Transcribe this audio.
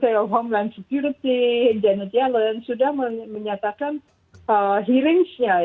jadi anthony blinken sekretaris keamanan janet yellen sudah menyatakan hearing nya